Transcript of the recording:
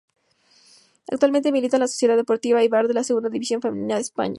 Actualmente milita en la Sociedad Deportiva Eibar de la Segunda División Femenina de España.